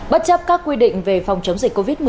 bất chấp các quy định về phòng chống dịch covid một mươi chín